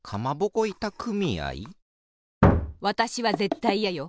わたしはぜったいいやよ。